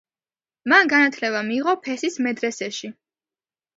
მან განათლება მიიღო ფესის მედრესეში.